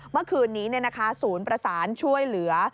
เมื่อคืนนี้ศูนย์ประสานช่วยเหลือ